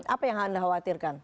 apa yang anda khawatirkan